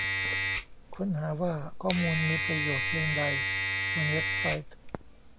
ค้นหาว่าข้อมูลมีประโยชน์เพียงใดบนเว็บไซต์